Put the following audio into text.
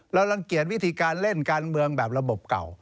รังเกียจวิธีการเล่นการเมืองแบบระบบเก่า